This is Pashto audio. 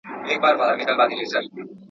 بختور وي چي یې زه غیږي ته ورسم.